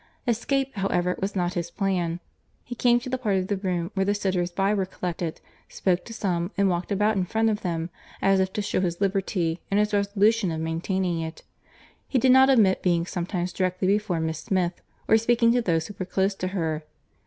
Escape, however, was not his plan. He came to the part of the room where the sitters by were collected, spoke to some, and walked about in front of them, as if to shew his liberty, and his resolution of maintaining it. He did not omit being sometimes directly before Miss Smith, or speaking to those who were close to her.